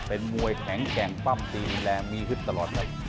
เป็นมวยแข็งแกร่งปั้มตีแรงมีฮึดตลอดครับ